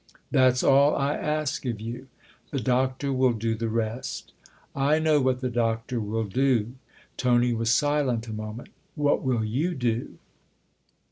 " That's all I ask of you. The Doctor will do the rest." " I know what the Doctor will do." Tony was silent a moment. " What will you do